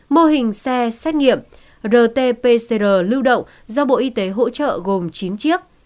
mô hình xe xét nghiệm rt pcr lưu động do bộ y tế hỗ trợ gồm chín chiếc